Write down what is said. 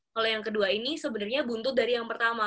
kalau yang kedua ini sebenarnya buntut dari yang pertama